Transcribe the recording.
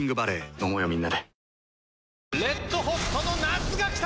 飲もうよみんなで。